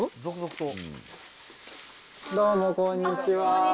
どうもこんにちは。